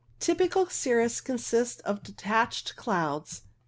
Typical cirrus consists of detached cmRus 29 clouds.